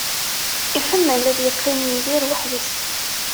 Iḥemmel ad yeqqim Yidir weḥd-s.